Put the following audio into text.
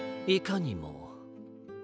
いかにも。